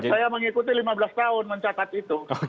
saya mengikuti lima belas tahun mencatat itu